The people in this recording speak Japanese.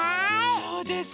そうです。